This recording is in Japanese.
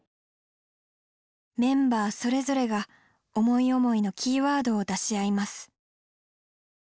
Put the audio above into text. メンバーそれぞれが思い思いのキーワードを出し合います。